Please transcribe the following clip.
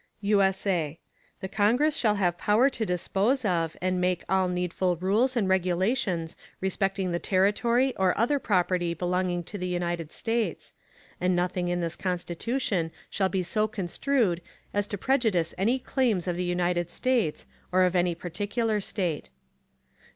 [USA] The Congress shall have power to dispose of and make all needful Rules and Regulations respecting the Territory or other Property belonging to the United States; and nothing in this Constitution shall be so construed as to Prejudice any Claims of the United States, or of any particular State.